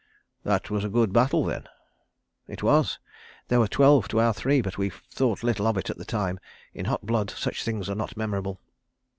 "That was a good battle then? "It was. They were twelve to our three; but we thought little of it at the time. In hot blood such things are not memorable."